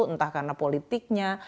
entah karena politiknya